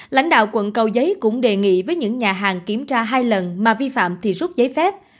lãnh đạo quận cầu giấy cũng đề nghị với những nhà hàng kiểm tra hai lần mà vi phạm thì rút giấy phép